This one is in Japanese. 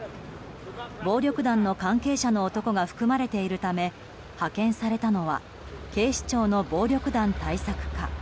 暴力団の関係者の男が含まれているため派遣されたのは警視庁の暴力団対策課。